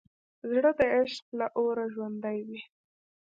زړه د عشق له اوره ژوندی وي.